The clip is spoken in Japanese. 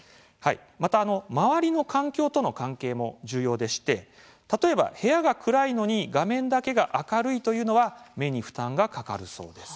また周りの環境との関係も重要で例えば、部屋が暗いのに画面だけが明るいというのは目に負担がかかるそうです。